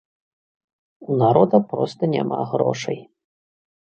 У народа проста няма грошай.